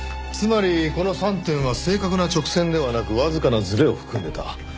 つまりこの３点は正確な直線ではなくわずかなずれを含んでた。